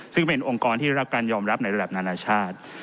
ซึ่งเป็นองค์กรที่ได้รับการยอมรับในระดับนานาชาติ